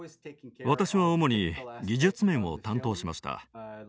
私は主に技術面を担当しました。